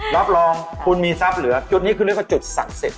รับรองคุณมีทรัพย์เหลือจุดนี้คือเรียกว่าจุดศักดิ์สิทธิ